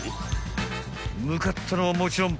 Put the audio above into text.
［向かったのはもちろん］